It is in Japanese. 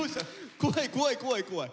怖い怖い怖い怖い。